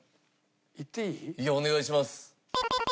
いやお願いします。